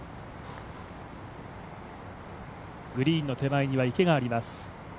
グリーンの手前には池があります。